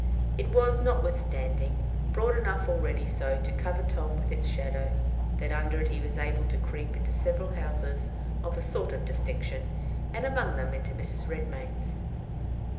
It was, notwithstanding, broad enough already so to cover Tom with its shadow that under it he was able to creep into several houses of a sort of distinction, and among them into Mrs. Redmain's.